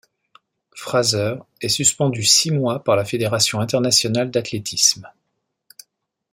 Fraser est suspendue six mois par la Fédération internationale d'athlétisme.